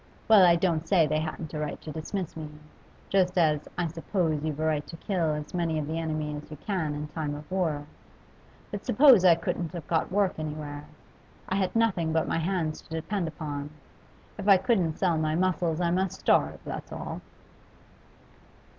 Well, I don't say they hadn't a right to dismiss me, just as I suppose you've a right to kill as many of the enemy as you can in time of war. But suppose I couldn't have got work anywhere. I had nothing but my hands to depend upon; if I couldn't sell my muscles I must starve, that's all.